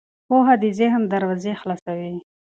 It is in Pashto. پوهه د ذهن دروازې خلاصوي.